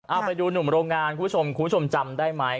เอาไปดูหนุ่มโรงงานคุณผู้ชมจำได้ไหม